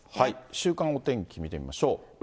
週間お天気見てみましょう。